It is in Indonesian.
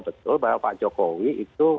betul pak jokowi itu